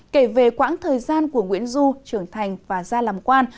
kể về quãng thời gian của nguyễn du trưởng thành và gia làm quan